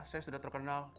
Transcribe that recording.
saya sudah terkenal